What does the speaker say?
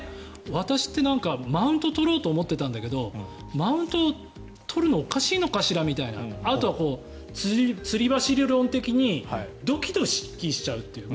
私ってなんかマウント取ろうと思っていたんだけどマウント取るのおかしいのかしらみたいなあとはつり橋理論的にドキドキしちゃうという。